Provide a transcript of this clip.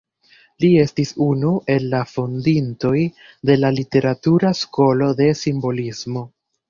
Li estis unu el la fondintoj de la literatura skolo de simbolismo.